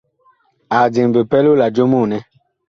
Ag diŋɛ bipɛlo la jomoo nɛ.